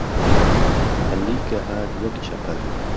عهلی که هات وەک چهپەر